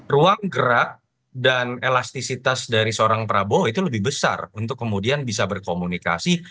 ruang gerak dan elastisitas dari seorang prabowo itu lebih besar untuk kemudian bisa berkomunikasi